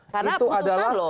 karena keputusan lo